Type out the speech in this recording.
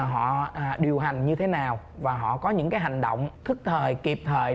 họ điều hành như thế nào và họ có những hành động thức thời kịp thời